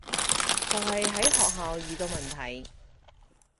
就係喺學校遇到問題